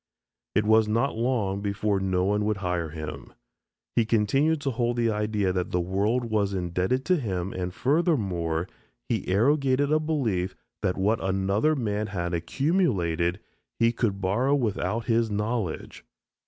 It was not long before no one would hire him. He continued to hold the idea that the world was indebted to him and furthermore, he arrogated a belief that what another man had accumulated he could borrow without his knowledge.